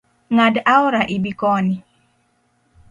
Ng’ad aora ibi koni.